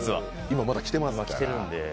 今また来てますから。来てるんで。